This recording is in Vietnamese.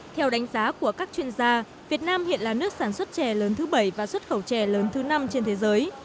theo đánh giá của các chuyên gia việt nam hiện là nước sản xuất chè lớn thứ bảy và xuất khẩu chè lớn thứ năm trên thế giới